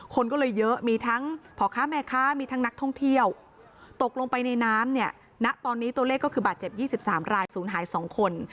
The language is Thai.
คนก็เลยเยอะมีทั้งพ่อค้าแม่ค้ามีทั้งนักท่องเที่ยวตกลงไปในน้ำเนี่ยณตอนนี้ตัวเลขก็คือบาดเจ็บ๒๓รายศูนย์หาย๒คน